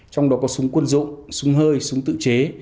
trong đó có súng quân dụng súng hơi súng tự chế